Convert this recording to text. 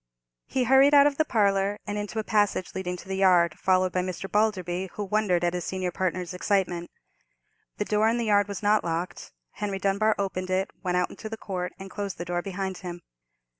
He hurried out of the parlour, and into a passage leading to the yard, followed by Mr. Balderby, who wondered at his senior partner's excitement. The door in the yard was not locked. Henry Dunbar opened it, went out into the court, and closed the door behind him.